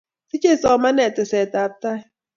sichei somanet teset ab tai